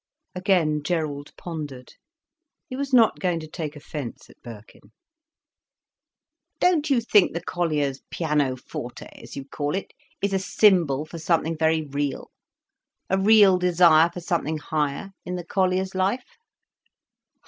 Again Gerald pondered. He was not going to take offence at Birkin. "Don't you think the collier's pianoforte, as you call it, is a symbol for something very real, a real desire for something higher, in the collier's life?"